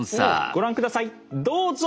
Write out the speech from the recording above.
ご覧下さいどうぞ！